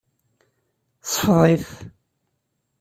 Ṣfeḍ-it.